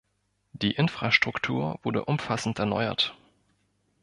Die Infrastruktur wurde umfassend erneuert.